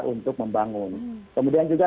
untuk membangun kemudian juga